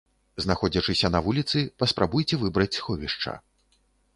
Знаходзячыся на вуліцы, паспрабуйце выбраць сховішча.